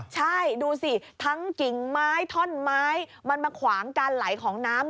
ใช่ดูสิทั้งกิ่งไม้ท่อนไม้มันมาขวางการไหลของน้ำ